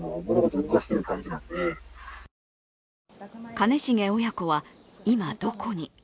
兼重親子はどこに。